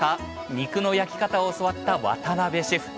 肉の焼き方を教わった渡邊シェフ。